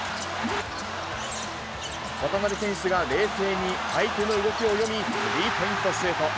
渡邊選手が冷静に相手の動きを読み、スリーポイントシュート。